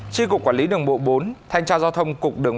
tri cục quản lý đường bộ bốn thanh tra giao thông cục đường